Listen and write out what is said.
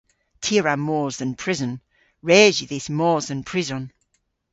Ty a wra mos dhe'n prison. Res yw dhis mos dhe'n prison.